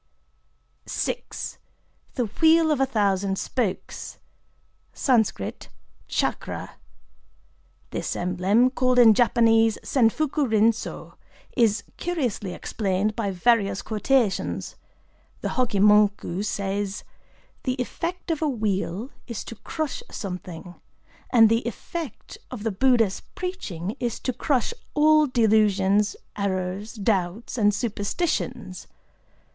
VI.—The Wheel of a Thousand Spokes (Sansc. "Tchakra "). This emblem, called in Japanese Senfuku rin sō, is curiously explained by various quotations. The Hokké Monku says:—"The effect of a wheel is to crush something; and the effect of the Buddha's preaching is to crush all delusions, errors, doubts, and superstitions.